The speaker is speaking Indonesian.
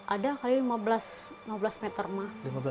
ada kali lima belas meter mah